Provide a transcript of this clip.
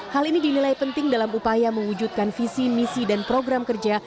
hal ini dinilai penting dalam upaya mewujudkan visi misi dan program kerja